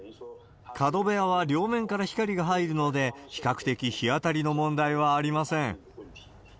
角部屋は両面から光が入るので、比較的日当たりの問題はありません。